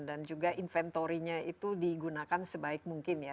dan juga inventorynya itu digunakan sebaik mungkin ya